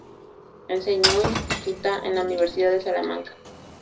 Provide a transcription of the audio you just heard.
Enseñó "instituta" en la Universidad de Salamanca.